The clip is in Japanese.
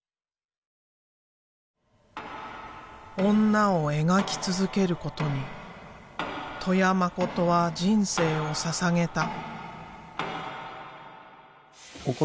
「女」を描き続けることに戸谷誠は人生をささげた。